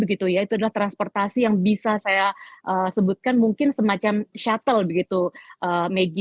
itu adalah transportasi yang bisa saya sebutkan mungkin semacam shuttle begitu maggie